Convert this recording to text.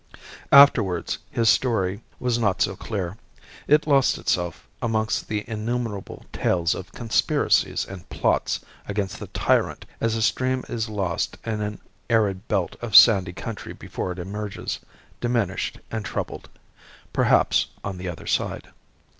Afterwards his story was not so clear. It lost itself amongst the innumerable tales of conspiracies and plots against the tyrant as a stream is lost in an arid belt of sandy country before it emerges, diminished and troubled, perhaps, on the other side.